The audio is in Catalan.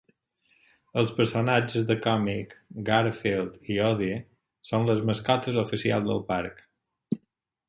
Els personatges de còmic Garfield i Odie són les mascotes oficials del parc.